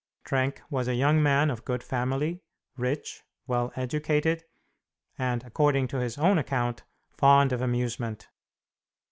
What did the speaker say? Trenck was a young man of good family, rich, well educated, and, according to his own account, fond of amusement.